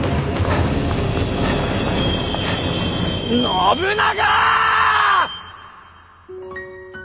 信長！